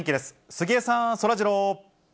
杉江さん、そらジロー。